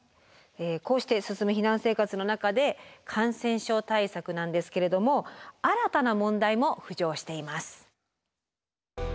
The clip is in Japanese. こうして進む避難生活の中で感染症対策なんですけれども新たな問題も浮上しています。